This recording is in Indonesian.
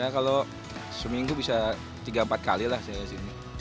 kalau seminggu bisa tiga empat kali lah saya disini